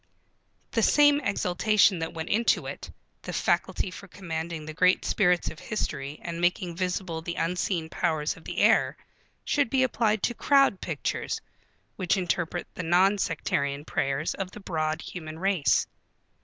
The same exultation that went into it, the faculty for commanding the great spirits of history and making visible the unseen powers of the air, should be applied to Crowd Pictures which interpret the non sectarian prayers of the broad human race.